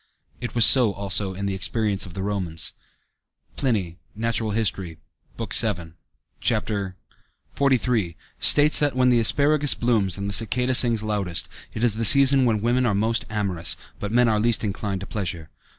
It was so, also, in the experience of the Romans. Pliny (Natural History, Bk. XII, Ch. XLIII) states that when the asparagus blooms and the cicada sings loudest, is the season when women are most amorous, but men least inclined to pleasure.